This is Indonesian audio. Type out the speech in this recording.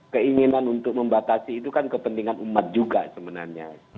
keinginan untuk membatasi itu kan kepentingan umat juga sebenarnya